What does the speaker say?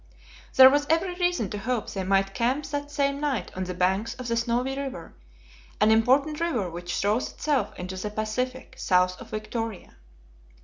There was every reason to hope they might camp that same night on the banks of the Snowy River, an important river which throws itself into the Pacific, south of Victoria.